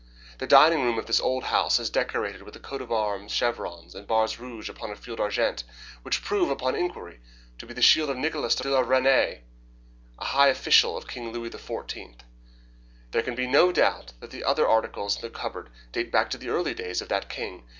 The dining room of this old house is decorated with a coat of arms, chevrons, and bars rouge upon a field argent, which prove, upon inquiry, to be the shield of Nicholas de la Reynie, a high official of King Louis XIV. There can be no doubt that the other articles in the cupboard date back to the early days of that king.